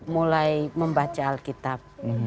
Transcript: mulai membaca alkitab